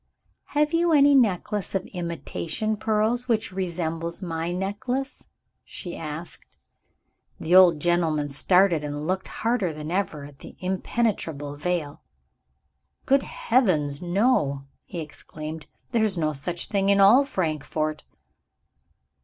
"Have you any necklace of imitation pearls which resembles my necklace?" she asked. The old gentleman started, and looked harder than ever at the impenetrable veil. "Good heavens no!" he exclaimed. "There is no such thing in all Frankfort.